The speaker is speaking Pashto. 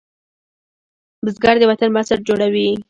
بزګر د وطن بنسټ جوړوي